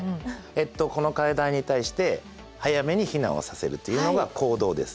えっとこの課題に対して「早めに避難をさせる」というのが「行動」です。